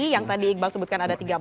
yang tadi iqbal sebutkan ada tiga belas